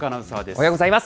おはようございます。